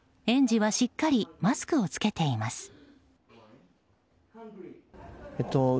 園児はしっかりマスクを着けています。